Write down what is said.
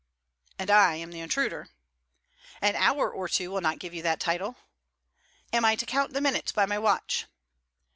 'And I am the intruder.' 'An hour or two will not give you that title.' 'Am I to count the minutes by my watch?'